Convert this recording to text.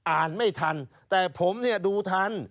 อ่านไม่ทันแต่ผมเนี่ยดูทัน